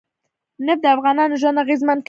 نفت د افغانانو ژوند اغېزمن کوي.